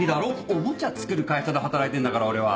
おもちゃ作る会社で働いてんだから俺は。